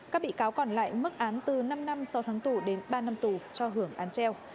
các bị cáo còn lại mức án từ năm năm sau tháng tù đến ba năm tù cho hưởng án treo